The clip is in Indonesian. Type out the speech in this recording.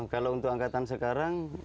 kalau untuk angkatan sekarang